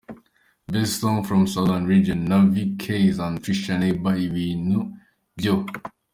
Best Song from Southern Region Navy Kayz and Trisha – Neighbor Ebintu byo.